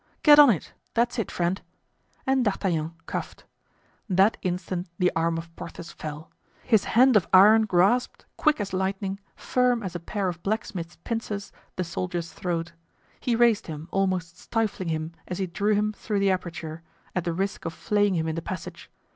"Get on it; that's it, friend." And D'Artagnan coughed. That instant the arm of Porthos fell. His hand of iron grasped, quick as lightning, firm as a pair of blacksmith's pincers, the soldier's throat. He raised him, almost stifling him as he drew him through the aperture, at the risk of flaying him in the passage.